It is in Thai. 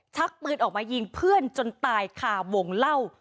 ชักปืนออกมายิงเพื่อนจนตายคาวงเล่า